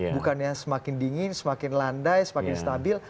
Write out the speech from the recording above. bukannya semakin dingin semakin landai semakin stabil